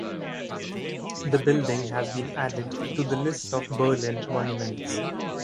The building has been added to the list of Berlin monuments.